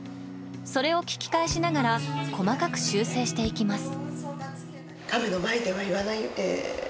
それを聞き返しながら細かく修正していきます。